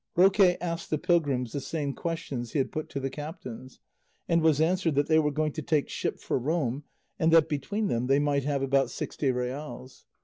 Roque asked the pilgrims the same questions he had put to the captains, and was answered that they were going to take ship for Rome, and that between them they might have about sixty reals.